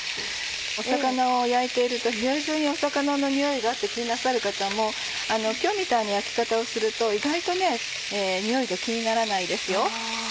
魚を焼いていると部屋じゅうに魚のにおいがあって気になさる方も今日みたいな焼き方をすると意外とにおいが気にならないですよ。